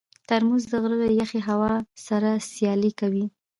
ترموز د غره له یخې هوا سره سیالي کوي.